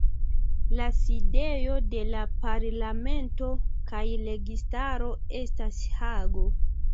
La sidejo de la parlamento kaj registaro estas Hago.